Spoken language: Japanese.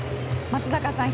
松坂さん